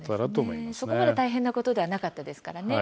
そこまで大変なことではなかったですからね。